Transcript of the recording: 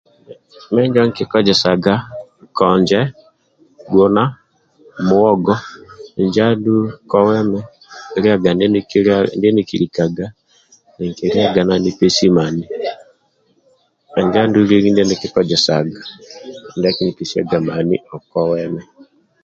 kikozesaga konje guna muhogo injo andulu kowa emi liaga ndie nikilikaga nikiliaga nanipesi mani injo andulu lieli ndie nikikojesaga ndia akinipesiaga mani kowa emi